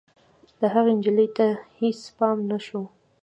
د هغه نجلۍ ته هېڅ پام نه شو.